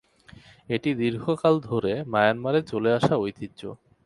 এটি দীর্ঘকাল ধরে মায়ানমারে চলে আসা ঐতিহ্য।